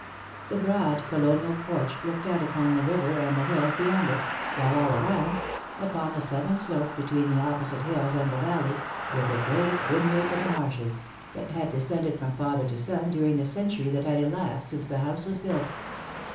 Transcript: The broad, Colonial porch looked out upon the river and the hills beyond it, while all around, upon the southern slope between the opposite hills and the valley, were the great vineyards of the Marshs', that had descended from father to son during the century that had elapsed since the house was built.